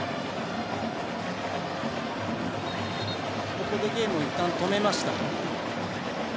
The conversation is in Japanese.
ここでゲームをいったん止めました。